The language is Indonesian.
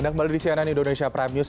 anda kembali di cnn indonesia prime news